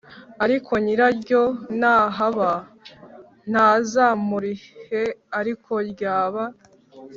Ariko nyiraryo nahaba ntazamurihe ariko ryaba